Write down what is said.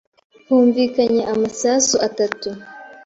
Humvikanye amasasu atatu.